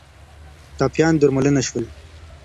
ټپیان درملنه شول